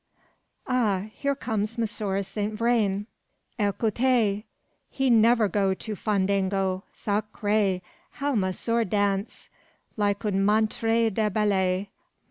"Ah! here comes Monsieur Saint Vrain. Ecoutez! He never go to fandango. Sacre! how monsieur dance! like un maitre de ballet.